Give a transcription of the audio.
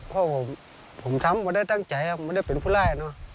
เพราะผมทำไม่ได้ตั้งใจไม่ได้เป็นผู้ไล่เนอะ